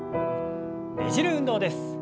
ねじる運動です。